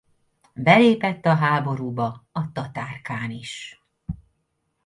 Belépett a háborúba a tatár kán is.